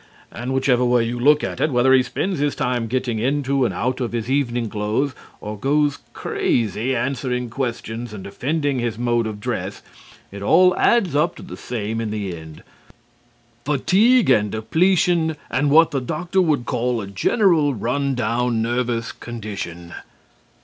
And, whichever way you look at it, whether he spends his time getting into and out of his evening clothes, or goes crazy answering questions and defending his mode of dress, it all adds up to the same in the end fatigue and depletion and what the doctor would call "a general run down nervous condition."